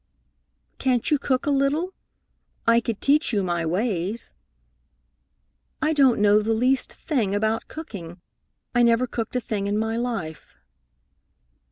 "Can't you cook a little? I could teach you my ways." "I don't know the least thing about cooking. I never cooked a thing in my life."